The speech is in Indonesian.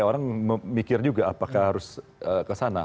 mereka memikir juga apakah harus ke sana